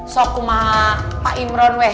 sok rumah pak imron weh